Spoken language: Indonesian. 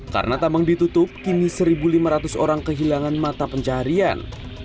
karena tambang ditutup kini satu lima ratus orang kehilangan mata pencaharian